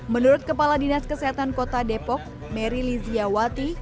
menurut kepala dinas kesehatan kota depok mary liziawati